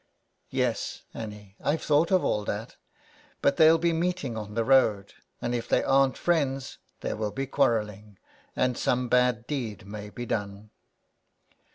'' *'Yes, Annie, I've thought of all that; but they'll be meeting on the road, and, if they aren't friends, there will be quarrelling, and some bad deed may be done."